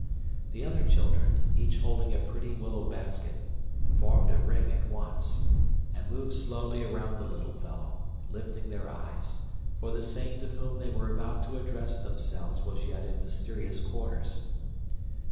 The other children, each holding a pretty willow basket, formed a ring at once, and moved slowly around the little fellow, lifting their eyes, for the saint to whom they were about to address themselves was yet in mysterious quarters.